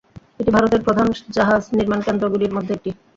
এটি ভারতের প্রধান জাহাজ নির্মান কেন্দ্র গুলির মধ্যে একটি।